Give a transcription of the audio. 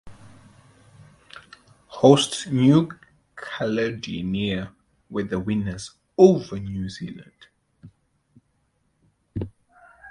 Hosts New Caledonia were the winners over New Zealand.